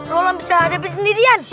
lo lah bisa hadapin sendirian